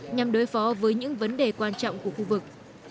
nhằm đối phó với những vấn đề quan trọng của khu vực